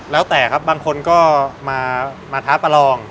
แล้วแต่ครับบางคนก็มาท้าประลอง